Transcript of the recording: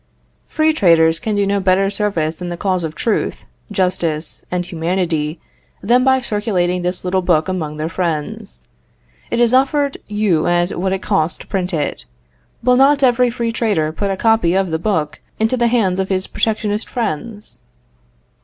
Free Traders can do no better service in the cause of truth, justice, and humanity, than by circulating this little book among their friends. It is offered you at what it costs to print it. Will not every Free Trader put a copy of the book into the hands of his Protectionist friends?